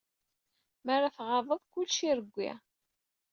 Mi ara tɣabed, kullec ireww.